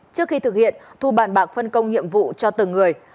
trước khi thực hiện thu bàn bạc phân công nhiệm vụ cho từng người